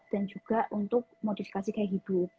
dan juga untuk modifikasi gaya hidup